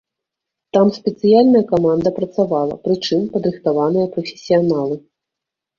Там спецыяльная каманда працавала, прычым, падрыхтаваныя прафесіяналы.